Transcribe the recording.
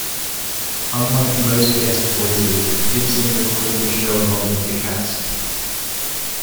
Unlike most guest voices, Gibson recorded the show along with the cast.